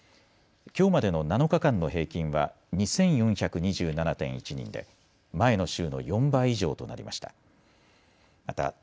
きょうまでの７日間の平均は２４２７．１人で前の週の４倍以上となりました。